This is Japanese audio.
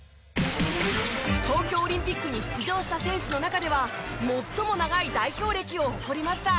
東京オリンピックに出場した選手の中では最も長い代表歴を誇りました。